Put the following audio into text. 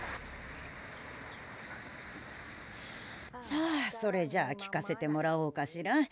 さあそれじゃあ聞かせてもらおうかしら。